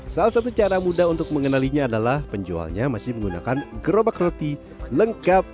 salah satu cara mudah untuk mengenalinya adalah penjualnya masih menggunakan gerobak roti lengkap